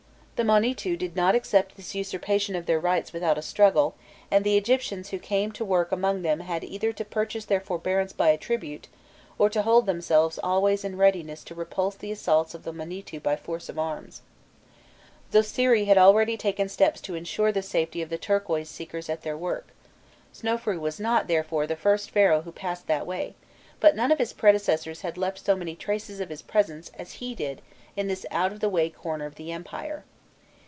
The Monîtû did not accept this usurpation of their rights without a struggle, and the Egyptians who came to work among them had either to purchase their forbearance by a tribute, or to hold themselves always in readiness to repulse the assaults of the Monîtû by force of arms. Zosiri had already taken steps to ensure the safety of the turquoise seekers at their work; Snofrûi was not, therefore, the first Pharaoh who passed that way, but none of his predecessors had left so many traces of his presence as he did in this out of the way corner of the empire.